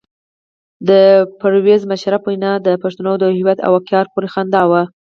د پرویز مشرف وینا د پښتنو د هویت او وقار پورې خندا وه.